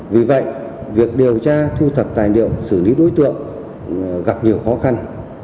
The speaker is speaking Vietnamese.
vì vậy việc điều tra thu thập tài liệu xử lý đối tượng gặp nhiều khó khăn